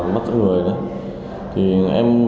mất giữ người